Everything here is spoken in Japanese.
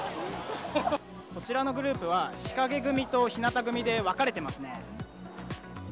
こちらのグループは、日陰組と、ひなた組で分かれていますね。